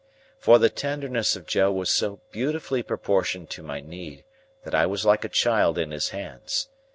For the tenderness of Joe was so beautifully proportioned to my need, that I was like a child in his hands.